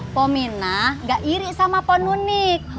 poh minah gak iri sama poh nunik